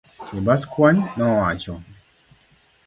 Chebaskwony nowacho.